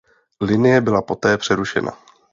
Linie byla poté přerušena.